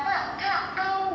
ikut pernah salam pernah